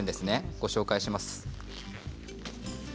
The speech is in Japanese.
ご紹介します。